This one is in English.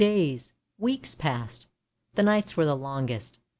Days, weeks passed; the nights were the longest.